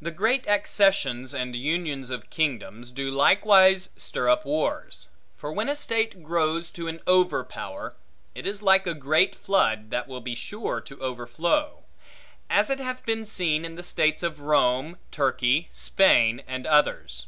The great accessions and unions of kingdoms, do likewise stir up wars; for when a state grows to an over power, it is like a great flood, that will be sure to overflow. As it hath been seen in the states of Rome, Turkey, Spain, and others.